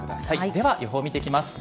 では予報、見ていきます。